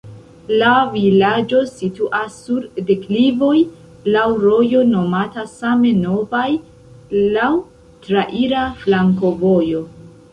La vilaĝo situas sur deklivoj, laŭ rojo nomata same Novaj, laŭ traira flankovojo.